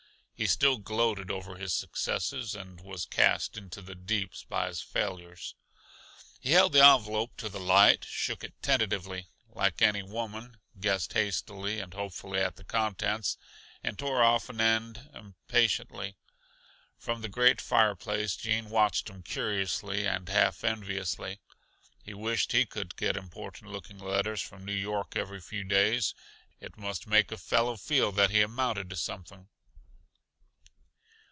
He still gloated over his successes, and was cast into the deeps by his failures. He held the envelope to the light, shook it tentatively, like any woman, guessed hastily and hopefully at the contents, and tore off an end impatiently. From the great fireplace Gene watched him curiously and half enviously. He wished he could get important looking letters from New York every few days. It must make a fellow feel that he amounted to something.